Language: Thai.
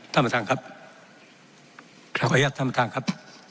ท่านประชากรครับขออชีพท่านประชากรครับ